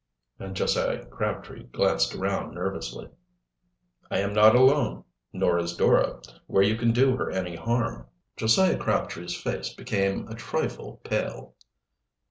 And Josiah Crabtree glanced around nervously. "I am not alone nor is Dora where you can do her any harm." Josiah Crabtree's face became a trifle pale.